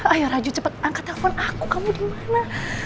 ayo raju cepet angkat telepon aku kamu dimana